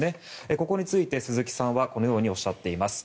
ここについて鈴木さんはこのようにおっしゃってます。